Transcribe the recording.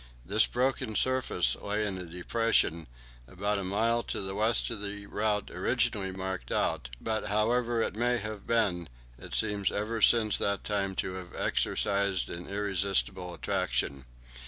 This broken surface lay in a depression about a mile to the west of the route originally marked out; but, however it may have been, it seems ever since that time to have exercised an irresistible attraction.